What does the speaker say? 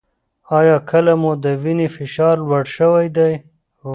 ایا کله مو د وینې فشار لوړ شوی دی؟